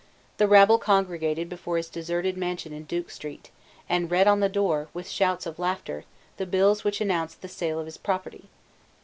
The rabble congregated before his deserted mansion in Duke Street, and read on the door, with shouts of laughter, the bills which announced the sale of his property.